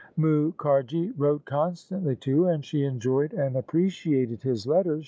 Mukharji wrote constantly to her, and she enjoyed and appreciated his letters.